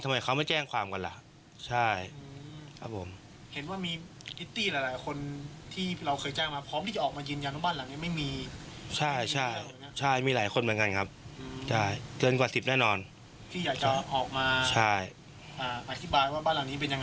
แล้วทำไมเขาไม่แจ้งความก่อนแหละใช่ครับผมเพราะที่จะออกมายืนยานมบ้านหลังเนี้ย